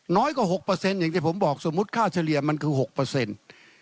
กว่า๖อย่างที่ผมบอกสมมุติค่าเฉลี่ยมันคือ๖เปอร์เซ็นต์